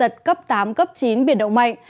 giật cấp tám cấp chín biển động mạnh